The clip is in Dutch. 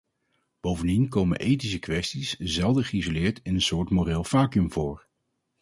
Bovendien komen ethische kwesties zelden geïsoleerd in een soort moreel vacuüm voor.